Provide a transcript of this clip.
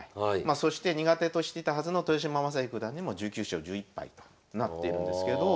そして苦手としてたはずの豊島将之九段にも１９勝１１敗となっているんですけど